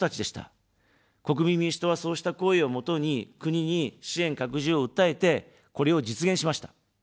国民民主党は、そうした声をもとに国に支援拡充を訴えて、これを実現しました。